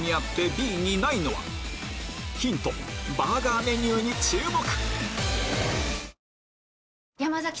バーガーメニューに注目！